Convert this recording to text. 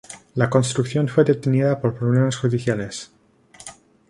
La construcción fue detenida por problemas judiciales.